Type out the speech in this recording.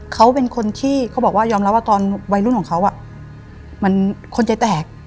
เขาเป็นคนที่เขาบอกว่ายอมรับว่าตอนวัยรุ่นของเขามันคนใจแตก